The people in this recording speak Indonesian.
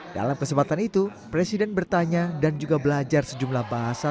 dalam kesempatan itu presiden bertanya dan juga belajar sejumlah bahasa